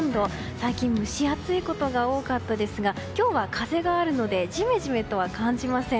最近、蒸し暑いことが多かったですが今日は風があるのでジメジメとは感じません。